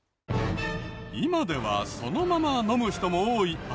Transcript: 今ではそのまま飲む人も多いあれ。